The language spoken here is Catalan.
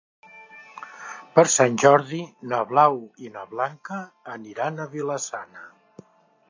Per Sant Jordi na Blau i na Blanca aniran a Vila-sana.